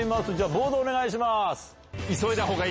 ボードお願いします。